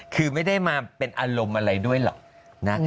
คือไม่ได้มาเป็นอารมณ์อะไรด้วยหรอกนะ